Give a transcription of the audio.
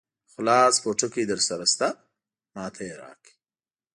خلاص پوټکی درسره شته؟ ما ته یې راکړ.